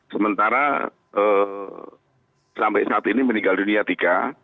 sementara sampai saat ini meninggal dunia tiga